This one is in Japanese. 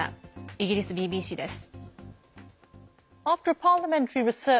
イギリスＢＢＣです。